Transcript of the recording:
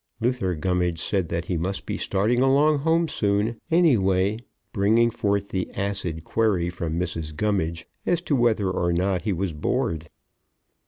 Luther Gummidge said that he must be starting along home soon, anyway, bringing forth the acid query from Mrs. Gummidge as to whether or not he was bored.